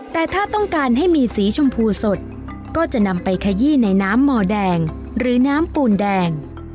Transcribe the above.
แต่ถ้าต้องการให้มีสีชมพูสดก็จะนำไปขยี้ในน้ำมอแดงหรือน้ำปูนแดง